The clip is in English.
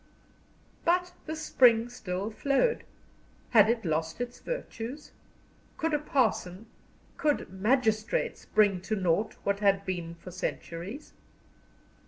But the spring still flowed. Had it lost its virtues? Could a parson, could magistrates bring to naught what had been for centuries?